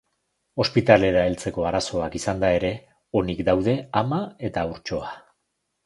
Ospitalera heltzeko arazoak izanda ere, onik daude ama eta haurtxoa.